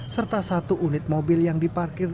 serta satu unit mobil yang diparkir